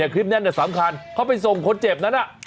คลิปนั้นสำคัญเขาไปส่งคนเจ็บนั้น